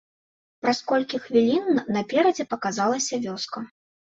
Праз колькі хвілін наперадзе паказалася вёска.